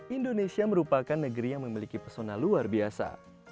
indonesia merupakan negeri yang memiliki pesona luar biasa